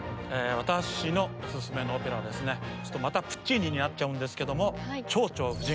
私のお薦めのオペラはですねまたプッチーニになっちゃうんですけども「蝶々夫人」。